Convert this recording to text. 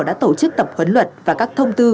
đã tổ chức tập huấn luật và các thông tư